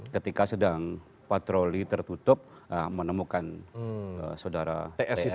ketika sedang patroli tertutup menemukan saudara ps ini